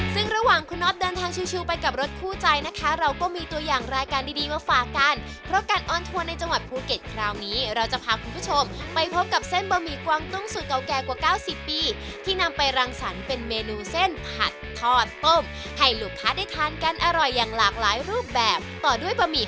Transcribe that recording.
ซึ่งระหว่างคุณน็อตเดินทางชิวไปกับรถคู่ใจนะคะเราก็มีตัวอย่างรายการดีมาฝากกันเพราะการออนทัวร์ในจังหวัดภูเก็ตคราวนี้เราจะพาคุณผู้ชมไปพบกับเส้นบะหมี่กวางตุ้งสูตรเก่าแก่กว่าเก้าสิบปีที่นำไปรังสรรค์เป็นเมนูเส้นผัดทอดต้มให้ลูกค้าได้ทานกันอร่อยอย่างหลากหลายรูปแบบต่อด้วยบะห